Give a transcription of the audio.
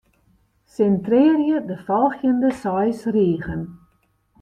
Sintrearje de folgjende seis rigen.